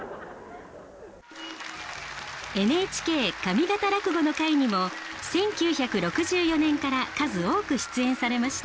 「ＮＨＫ上方落語の会」にも１９６４年から数多く出演されました。